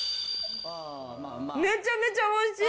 めちゃめちゃおいしい。